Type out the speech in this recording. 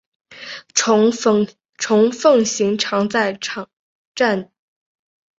虫奉行常住战阵！